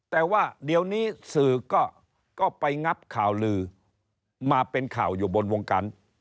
แต่ว่าเดี๋ยวนี้สื่อก็ไปงับข่าวลือมาเป็นข่าวอยู่บนวงการ